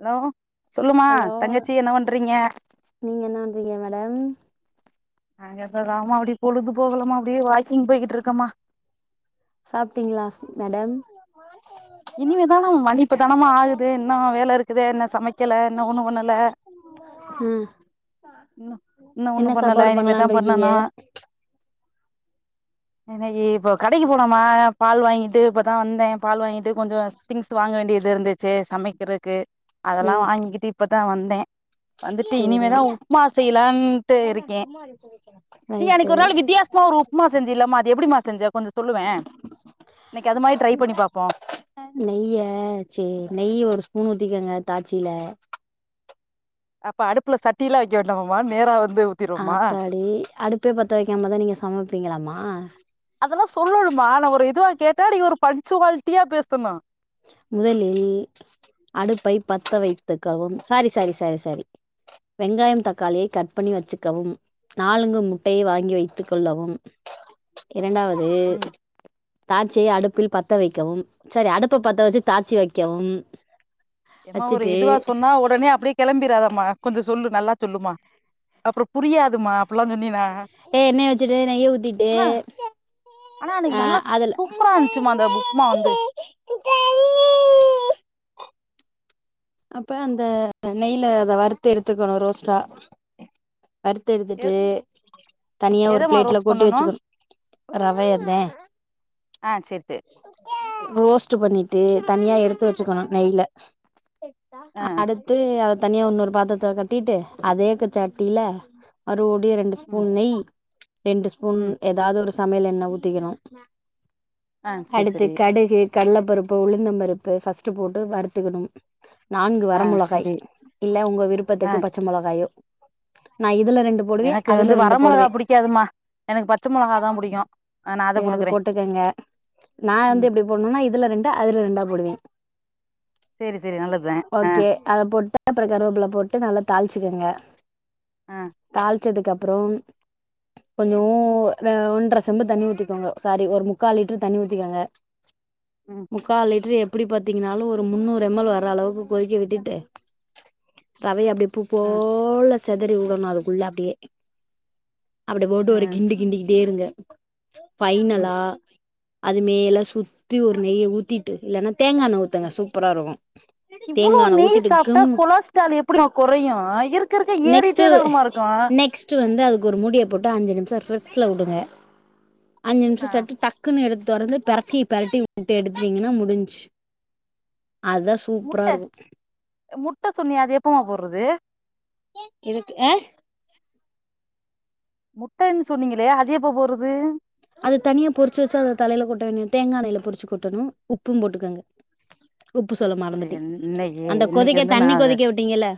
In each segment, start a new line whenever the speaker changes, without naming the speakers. hello சொல்லுமா
hello
தங்கச்சி என்ன பண்றீங்க
நீங்க என்ன பன்றீங்க மேடம்
நாங்க இப்ப தா மா அப்படி பொழுது போகலமா அப்டியே வாக்கிங் போயிட்டு இருக்கமா
சாப்ட்டீங்களா ஸ் மேடம்
இனிமேதானமா மணி இப்பதானமா ஆகுது இன்னு வேல இருக்குது இன்னு சமைக்கல இன்னு ஒண்ணு பண்ணல
ம்
இன்னு இன்னும்
என்ன
ஒண்ணும் பண்ணல
சாப்பாடு பண்ணலான்னு
இனிமேதான்
இருக்கீங்க
பண்ணணு இன்னைக்கி இப்போ கடைக்கு போனோமா பால் வாங்கிட்டு இப்பதான் வந்தேன் பால் வாங்கிட்டு கொஞ்சோ திங்ஸ் வாங்க வேண்டியது இருந்துச்சு சமைக்கிறக்கு அதெல்லாம்
ம்
வாங்கிட்டு இப்பதான் வந்தேன் வந்துட்டு
சேரி
இனிமேதான் உப்புமா செய்யலாம்ட்டு இருக்கேன் நீ
ரைட்டு
அன்னக்கி ஒரு நாள் வித்தியாச உப்புமா ஒரு உப்புமா செஞ்சியலமா அது எப்டிமா செஞ்ச கொஞ்சோ சொல்லுவேன் இன்னைக்கி அது மாரி ட்ரை பண்ணி பாப்போம்
நெய்ய சேர் நெய்ய ஒரு ஸ்பூன் ஊத்திக்கோங்க தாச்சில
அப்ப அடுப்புல சட்டியலாம் வைக்க வேண்டாமாமா நேரா வந்து ஊத்திடுவோமா
ஆத்தாடி அடுப்பே பத்த வைக்காமதா நீங்க சமைப்பீங்களாமா
அதெல்லாம் சொல்லனுமா நா ஒரு இதுவா கேட்டா ஒரு பன்ச்சுவல்டியா பேசனும்
முதலில் அடுப்பை பத்த வைத்துக்கவும் சாரி சாரி சாரி சாரி வெங்காயம் தக்காளியை கட் பண்ணி வச்சிக்கவும் நாலுங்க முட்டையை வாங்கி வைத்துக் கொள்ளவும் இரண்டாவது
ம்
தாட்சை அடுப்பில் பத்த வைக்கவும் சரி அடுப்ப பத்த வச்சு தாச்சி வைக்கவும்
ஏம்மா ஒரு
வச்சுட்டு
இதுவா சொன்னா உடனே அப்டியே கிளம்பிராதம்மா கொஞ்சோ சொல்லு நல்லா சொல்லுமா அப்புறோம் புரியாதுமா அப்பலாம் சொன்னினா
ஏ எண்ணெய வச்சுட்டு நெய்ய ஊத்திட்டு
ஆ ஆனா
ஆ
அன்னைக்கு நல்லா
அதுல
சூப்பரா இருந்துச்சுமா அந்த உப்மா வந்து
அப்ப அந்த நெய்யில அத வறுத்து எடுத்துக்கணு ரோஸ்டா வருத்து
எ
எடுத்துட்டு தனியா ஒரு
எதமா
பிளேட்ல
ரோஸ்ட்
கொட்டி
பண்ணனு
வெச்சுக்கணும் ரவயேந்தேன்
ஆ சேர் சேரி
ரோஸ்ட்டு பண்ணிட்டு தனியா எடுத்து வெச்சுக்கணும் நெய்ல
ஆ
அடு த்து அத தனியா இன்னரு பாத்ரத்துல கெட்டிட்டு அதேசட்டியில மறு ஓடி ரெண்டு
ம்
ஸ்பூன் நெய் ரெண்டு ஸ்பூன்
ம்
ஏதாவது ஒரு சமையல் எண்ணய் ஊத்திகணும்
ஆ சேரி
அடுத்து
சேரி
கடுகு கள்ளபருப்பு உளுந்தம் பருப்பு ஃபஸ்ட்டு போட்டு வறுத்துக்கணும் நான்கு
ஆ
வர மிளகாய்
சரி
இல்ல உங்க
ஆ
விருபத்துக்கு பச்ச மிளகாயே நான் இதுல ரெண்டு போடுவேன்
எனக்கு வந்து
அதுல
வர
ரெண்டு
மொளகா
போடுவே
புடிக்காதுமா எனக்கு பச்ச மொளகா தா புடிக்கு ஆ நா அத
சரி அது
போட்டுக்கிறே
போட்டுகங்க நா வந்து
ம்
எப்புடி போண்ணுனா இதுல ரெண்டு அதுல ரெண்டா போடுவே
சேரி சேரி நல்லதுதா ஆ
ஓகே அத போட்டு அப்புற கருவேப்புல போட்டு நல்லா தாளிச்சுக்கோங்க
ஆ
தாளிச்சதுக்கு அப்றம் கொஞ்சோ ஒன்ரை செம்பு தண்ணி ஊத்திகோங்க சாரி ஒரு முக்கால் லிட்ரு தண்ணி ஊத்திக்கோங்க
ம்
முக்காலிட்ரு எப்டி பாத்தீங்கன்னாலு ஒரு முன்னூறு எம்மல் வர்ர அளவுக்கு கொதிக்க விட்டுட்டு ரவைய அப்படியே பூப்போ
அ
போல செதறி விடணு அதுகுள்ள அப்படியே அப்டி
அ
போட்டு ஒரு கிண்டு கிண்டி ட்டே இருங்க
ம்
ஃபைனலா அது மேலா சுத்தி ஒரு நெய்ய ஊத்திட்டு இல்லைன்னா தேங்கா எண்னெ ஊத்துங்க சூப்பரா இருக்கு
இவ்வளோ நெய் சாப்ட்டா கொலஸ்ட்ரால் எப்டிறா குறையு இருக்க இருக்க
நெக்ஸ்ட்
ஏறிட்டேதானமா இருக்கு
நெக்ஸ்ட் வந்து அதுக்கு ஒரு முடியை போட்டு அஞ்சு நிமிஷ ரெஸ்ட்ல உடுங்க அஞ்சு நிமிஷ
ஆ
சட்டு டக் க்குன்னு எடுத்து தொரந்து பெரட்டி பெரட்டி விட்டுட்டு எடுத்திங்கன்னா முடிஞ்சு அதா சொ
முட்ட முட்ட சொன்னியே அது எப்பமா போட்றது
இதுக்கு ஆ
முட்டைன்னு சொன்னீங்களே அது எப்ப போட்றது
அது தனியா பொரிச்ச வச்சு அது தலையில கொட்டணு தேங்கா எண்னெயில பொறிச்சு கொட்டணு உப்பு போட்டுகங்க உப்பு சொல்ல மறந்துடே
இன்னைக்கு
அந்த
இன்னைக்கு
கொதிக்க
வந்து நா
தண்ணி
அத
கொதிக்க விட்டீங்கல்ல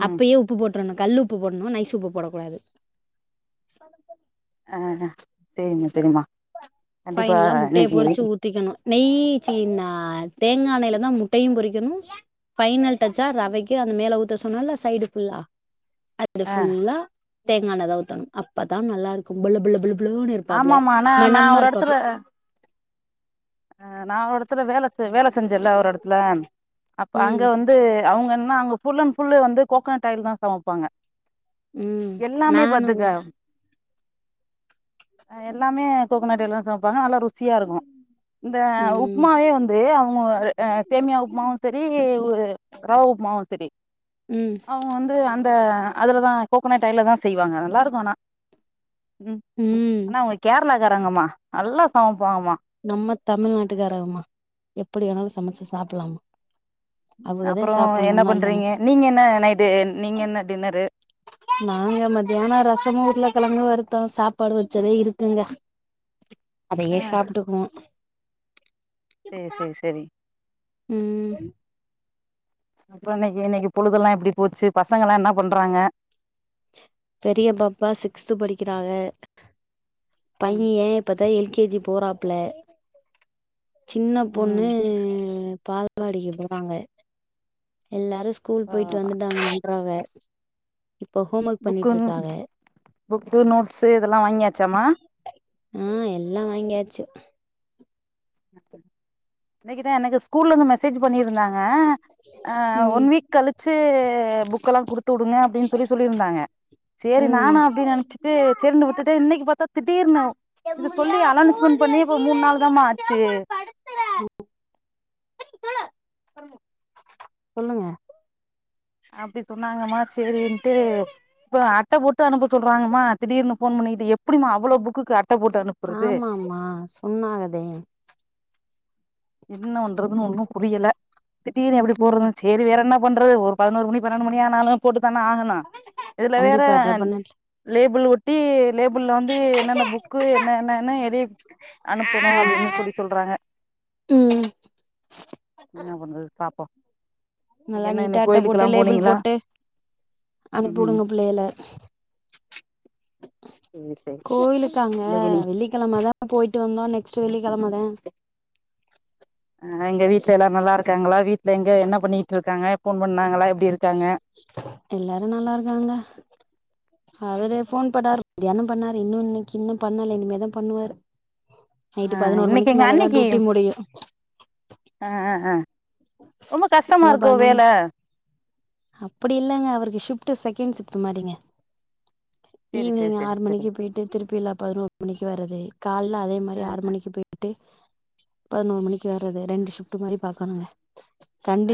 ம்
அப்பயே உப்பு போட்ரணு கல்லு உப்பு போடணு நைஸ் உப்பு போடக்கூடாது
ஆ சேரிம்மா சேரிம்மா கண்டிப்பா இன்னைக்கி
ஊத்திகணு நெய்சின்ன தேங்காயென்னையில தா முட்டையு பொறிக்கணு ப்பைனல் டச்சா ரவைக்கு அந்த மேல ஊத்த சொன்னல்ல சைடு ஃபுல்லா அது
ஆ
ஃபுல்லா தேங்கா எண்னெதா ஊத்தணு அப்பதா நல்லா இருக்கும் பல பல பல ன்னு இருப்பாப்புல மனமா இரு
ப்புற அ நா ஒரு இடத்துல வேலை வேலை செஞ்சேல ஒரு இடத்துல அப்ப
ம்
அங்க வந்து ந்து அவுங்க என்ன அங்க ஃபுல் அண் ஃபுல் வந்து கோக்னட் ஆயில் தா சமைப்பாங்க
ம்
எல்லாமே
நானும்
பாத்துக்க எல்லாமே கோக்னட் ஆயில்லதா சமைப்பாங்க நல்லா ருசியா இருக்கு இந்த
ம்
உப்புமாவே வந்து அவுங்க சேமியா உப்புமாவு செரி ஒரு ரவ உப்மாவு செரி
ம்
அவுங்க வந்து அந்த அதுல தா கோக்கனட் ஆயில்லதா செய்வாங்க நல்லாருக்கு ஆனா
ம்
ஆனா அவுங்க கேரளாகாரங்கம்மா நல்லா சமைப்பாங்கம்மா
நம்ம தமிழ்நாட்டுகாரவுங்கமா எப்படி வேணாலு சமைச்சு சாப்புலாமா
ம் அப்புறோ என்ன
இல்லாமா
பண்றீங்க நீங்க என்ன நைட்டு நீங்க என்ன டின்னரு
நாங்க மதியான ரசமு உருளைக்கிழங்கு வறுத்தோ சாப்பாடு வச்சதே இருக்குங்க
ஆ
அதையே சாப்ட்டுக்குவோ
சேர் சேர் செரி
ம்
அப்பறம் இன்னைக்கு இன்னைக்கு பொழுதெல்லாம் எப்டி போச்சு பசங்கல்லாம் என்ன பண்றாங்க
பெரிய பாப்பா சிக்ஸ்து படிக்கிறாக
ம்
பையன் இப்பத்தான் எல் கே ஜி போறாப்ல சின்ன
ம்
பொண்ணு பால்வாடிக்கு போறாங்க எல்லாரும் ஸ்கூல்
ஆ
போயிட்டு வந்துட்டாங்க அப்பறம் வேற இப்ப ஹோம் ஒர்க்
புக்கு நோ
பண்ணிட்ருக்காக
புக்கு நோட்ஸு இதெல்லாம் வாங்கியாச்சாமா
ம் எல்லாம் வாங்கியாச்சு
இன்னைக்கு தான் எனக்கு ஸ்கூல்லருந்து மெசேஜ் பண்ணிருந்தாங்க ஆ
ம்
ஒன் வீக் கழிச்சி புக்கல்லாம் குடுத்து வுடுங்க அப்டின் சொல்லி சொல்லிருந்தாங்க சேரி
ம்
நானும் அப்டி நெனச்சி து சேரினு விட்டுட்ட இன்னைக்கி பாத்தா திடீர்னு இது சொல்லி அனௌன்ஸ்மெண்ட் பண்ணி இப்ப மூணு நாள் தான்மா ஆ ஆச்சி
சொல்லுங்க
அப்டி சொன்னாங்கம்மா சேரின்ட்டு இப்ப அட்ட போட்டு அனுப்ப சொல்றாங்கமா திடீர்னு போன் பண்ணி இது எப்டிமா அவ்ளோ புக்குக்கு அட்ட போட்டு அனுப்
ஆமாம்மா சொன்னாகதே
என்ன பண்றதுன்னு ஒன்னும் புரில திடீர்னு எப்டி
ம்
போட்றது சேரி வேற என்ன பண்றது ஒரு பதினோரு மணி பன்னெண்டு மணி ஆனாலும் போட்டு தான ஆகனு னும் இதுல வேற
கண்டிப்பா டெபனெட்லி
லேபிள் ஒட் ட்டி லேபுள்ல வந்து என்னென்ன புக்கு என்ன என்ன என்ன எது அனுப்பணு அப்டின் சொல்லி சொல்றாங்க
ம் ம்
என்ன பண்றது பாப்போம்
நல்லா நீட்டா அட்ட போட்டு லேபுள்
போனீங்களா
போட்டு அனுப்பி
ம்
வுடுங்க பிள்ளைங்ல
சேரி சேரி
கோயிலுக்காங்க
இன்னைக்கு
வெள்ளி கெழம தான் போயிட்டு வந்தோம் நெக்ஸ்ட் வெள்ளி கெழம தான்
ஆ எங்க வீட்ல எல்லாரும் நல்லா இருக்காங்களா வீட்ல எங்க என்ன பண்ணிட்டுருக்காங்க போன் பண்ணாங்களா எப்டி இருக்காங்க
எல்லாரு நல்லா இருக்காங்க அவரு போன் பண்ணாரு மதியானம் பண்ணாரு இன்னும் இன்னிக்கி இன்னும் பண்ணல இனிமே தான் பண்ணுவாரு
ஆ
நைட்டு பதினோரு
இன்னைக்கு
மணிக்கு
எங்க
மேலதான்
அண்ணிக்கு
டூட்டி முடியு
ஆ ஆ ஆ ரொம்ப கஷ்டமா இருக்கோ வேல
அப்டி இல்லங்க அவரு ஷிப்டு செகண்ட் ஷிப்ட் மாரிங்க
சேரி சேரி
ஈவ்னிங்
சேரி
ஆறு
சேரி
மணிக்கு போய்ட் ட்டு திருப்பி இல்ல பதினோரு மணிக்கு வர்றது கால்ல அதே
ஆ
மாரி ஆறு
ஆ
மணிக்கு போய் ட்டு பதினோரு மணிக்கு வர்றது‌ ரெண்டு ஷிப்ட் மாரி பாக்கணுங்க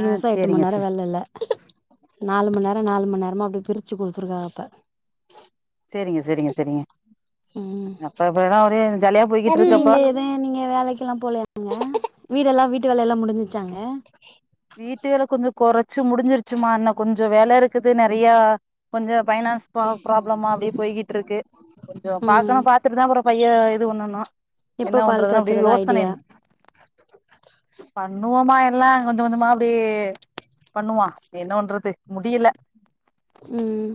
ஆ
எட்டு
சேரிங்க
மண்நேரோ
சேரி
வேல இல்ல நாலு மண் நேரம் நாலு மண் நேரமா அப்டியே பிரிச்சு குடுத்துருக்காக இப்ப
சேரிங்க சேரிங்க சேரிங்க
ம்
அப்ப இப்ப எல்லா ஒரே ஜாலியா போய்கிட்டு இருக்கு அப்போ
நீங்க எதும் நீங்க வேலைக்குல்லாம் போலயா ங்க வீடெல்லாம் வீட்டு வேலல்லாம் முடிஞ்சிச்சாங்க
வீட்டுவேல கொஞ்ச கொறச்சு முடிஞ்சிருச்சுமா இன்ன கொஞ்சோ வேல இருக்குது நெறைய கொஞ்ச பைனாஸ் ப்பா ப்ராப்ளமா அப்டியே போய்கிட்டு இருக்கு கொஞ்சோ
ம்
பாக்கணும் பாத்துட்டு தான் அப்பறம் பைய இது பண்ணணும் என்ன
எப்ப பால்
பண்றதுன்னு அப்டியே
காய்ச்சறதா
யோசனை
ஐடியா
பண்ணுவோமா எல்லா கொஞ்ச கொஞ்சமா அப்டியே பண்ணுவோ என்ன பன்றது முடில
ம் ம்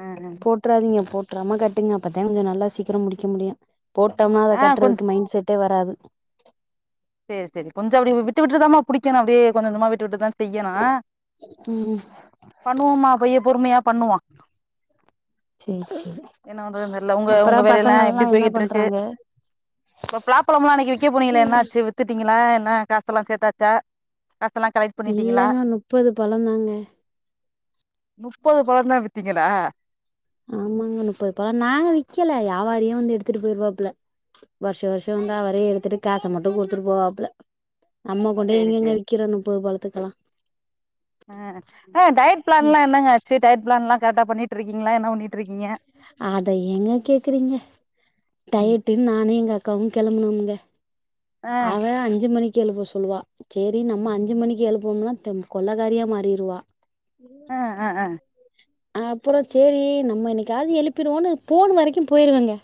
அ
போட் ட்றாதிங்க போட்றாம கட்டுங்க அப்பத்தா கொஞ்ச நல்லா சீக்கிர முடிக்க முடியு போட்டோம்னா அத
ஆ கொஞ்
கட்டுறதுக்கு மைண்ட் செட் டே வராது
சேரி சேரி கொஞ்ச அப்டி விட்டு விட்டுதாம்மா புடிக்கணு அப்டியே கொஞ்ச கொஞ்சமா விட்டு விட்டுதா செய்யணு
ம்
பண்ணுவோம்மா போயி பொறுமையா பண்ணுவோ
சேரி சேரி
என்ன பண்றதுன் தெர்ல உங்க
அப்பறோ
உங்க வேலையெல்லா
பசங்கள்லா
எப்டி
என்ன
போய்கிட்ருக்கு
பண்றாங்க
அப்ப பலாப்பழம் எல்லா அன்னைக்கி விக்க போனிங்களே என்னாச்சு வித்துட்டீங்களா என்ன காசெல்லா சேத்தாச்சா காசெல்லா கலெக்ட் பண்ணிட்டீங்களா
இல்லங்க முப்பது பழந்தாங்க
முப்பது பழந்தா வித்தீங்களா
ஆமாங்க நுப்பது பழம் நாங்க விக்கல வியாவாரியே வந்து எடுத்துட்டு போயிருவாப்புல வருஷ வருஷ வந்து அவரே எடுத்துட்டு காச மட்டு குடுத்துட்டு போவாப்பல நம்ம கொண்டேய்
சேரி
எங்கெங்க
சேரி
விக்கிறது முப்பது பழத்துக்கெல்லா
ஆ ஏங்க டயட் பிளான்லா என்னங்க ஆச்சு டயட் பிளான்லா கரெக்ட்டா பண்ணிட்டு இருக்கீங்களா என்ன பண்ணிட்
அத ஏங்க கேக்குறீங்க டயட் டிங் நானு எங்க அக்காவு கெளம்பனோங்க
ஆ
அவ அஞ்சு மணிக்கு எழுப்ப சொன் சொல்லுவா சேரி நம்ம அஞ்சு மணிக்கு எழுப்புனோம்னா தெம் கொலக்காரியா மாறிருவா
ஆ ஆ ஆ
அப்புற சேரி நம்ம இன்னைக்காது எழுப்பிருவோன்னு போனு வரைக்கு போயிருவங்க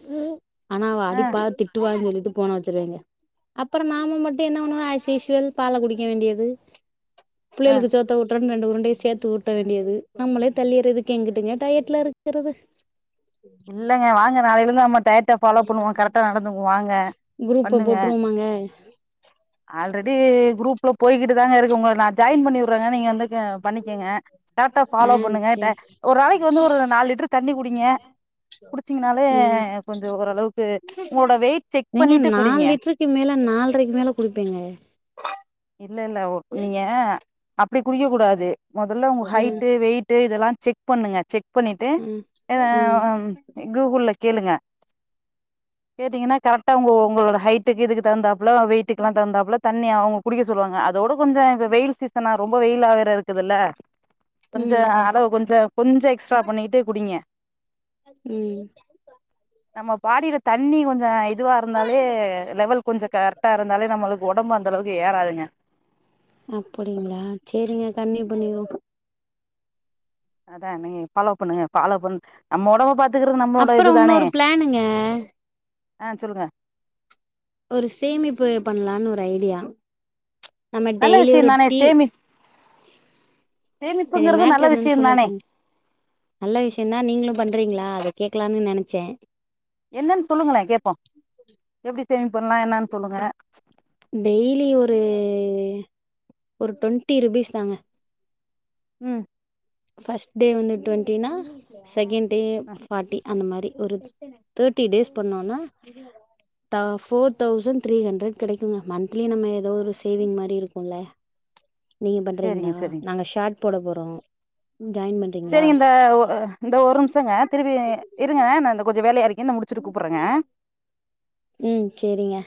ஆனா
ஆ
அடிப்பா திட்டுவான்னு சொல்லிட்டு போன வச்சுருவங்க அப்புறம் நாம மட்டு என்ன பண்ணுவோ ஆஸ்யூஸ்வல் பால குடிக்க வேண்டியது
ஆ
புள்ளைகளுக்கு சோத்த ஊட்டுறன்னு ரெண்டு உருண்டைய சேத்து ஊட்ட வேண்டியது நம்மளே தள்ளிறதுக் எங்குட்ங்க டயட்ல இருக்கறது
இல்லங்க வாங்க நாளையில இருந்து நம்ம டயட்ட ஃபாலோ பண்ணுவோ கரெக்டா நடந்துக்குவோ வாங்க
குரூப்ப
பண்ணுங்க
போட்டுருவோமாங்க
ஆல்ரெடி குரூப்ல போய்கிட்டு தாங்க இருக்கு உங்கள நா ஜாயின் பண்ணிவிட்றேங்க நீங்க வந்து க பண்ணிக்கங்க கரெட்டா
ஆ
ஃபாலோ பண்ணுங்க
சேரி
ஒரு நாளைக்கு வந்து ஒரு நாலு லிட்டர் தண்ணி குடிங்க குடிச்சீங்கனாலே
ம்
கொஞ்சோ ஓரளவுக்கு உங்களோட வெயிட் செக்
ஏங்க
பண்ணிட்டு குடிங்க
நாலு லிட்ரு க்கு மேல நால்ரைக்கு மேல குடிப்பேங்க
இல்ல இல்ல நீங்க அப்டி குடிக்க கூடாது மொதல்ல உங்க
ம்
ஹைட்டு வெயிட் ட்டு இதெல்லா செக் பண்ணுங்க செக் பண்ணிட்டு
ம் ம்
ஆ கூகுள் கேளுங்க கேட்டீங்கன்னா கரெக்டா உங்க உங்களோட ஹைட்டுக்கு இதுக்கு தகுந்தாப்பல வெயிட்டுக்குலா தகுந்தாப்பல தண்ணி அவுங்க குடிக்க சொல்லுவாங்க அதோட கொஞ்ச இப்ப வெயில் சீசனா ரொம்ப வெயிலா வேற இருக்குதுல்ல கொஞ்ச
ம்
அளவு கொஞ்ச கொஞ்ச எக்ஸ்ட்ரா பண்ணிட்டே குடிங்க
ம்
நம்ம பாடியில தண்ணி கொஞ்ச இதுவா இருந்தாலே லெவல் கொஞ்ச கரெக்ட்டா இருந்தாலே நம்மளுக்கு ஒடம்பு அந்தளவுக் வந்து ஏறாதுங்க
அப்படிங்களா சேரிங்க கம்மி பண்ணிருவோ
அதா நீங்க பாலோ பண்ணுங்க ஃபாலோ பண்ண நம்ம ஒடம்ப பாத் துக்கிறது நம்மளோட
அப்புறோ
இதுதானே
உன்னொரு பிளானுங்க
ஆ சொல்லுங்க
ஒரு சேமிப்பு பண்லான்னு ஒரு ஐடியா நம்ம
நல்ல
டெய்லி
விஷயம்
ஒரு
தானே
டீ
சேமி
சரி
சேமிப்புங்கிறது நல்ல
மேட்ரு என்னன்னு
விஷயம் தானே
சொல்லட்டுங்க நல்ல விஷயந்தா நீங்களு பண்றீங்களா அத கேக்கலான்னு நெனைச்சே
என்னன்னு சொல்லுங்களே கேப்போம் எப்டி சேவிங பண்ணலா என்னன்னு சொல்லுங்க
டெய்லி ஒரு ஒரு டவெண்டி ருபீஸ் தாங்க
ம்
ஃபர்ஸ்ட் டே வந்து ட்வெண்ட்டினா செகண்ட் டே
அ
ஃபார்ட்டி அந்த மாதிரி ஒரு தேர்டி டேஸ் பண்ணோனா த ஃபோர் தௌசண்ட் த்ரீ ஹண்ட்ரட் கிடை மந்த்லி நம்ம ஏதோ சேவிங் மாரி இருக்கும்ல நீங்க
சேரிங்க
பண்றீங்களா
சேரிங்க
நாங்க ஷார்ட் போட போறாங்க ஜாயின் பண்ண
சேரிங்க இந்த இந்த ஒரு நிமிஷங்க திருப்பி இருங்க இந்த கொஞ்ச வேலயா இருக்க முடி வச்சிட்டு கூப்புறங்க
ம் சேரிங்க